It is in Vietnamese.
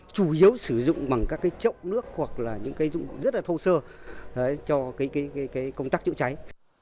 chủ yếu sử dụng bằng các chốc nước hoặc những dụng cụ rất là thâu sơ cho công tác chữa cháy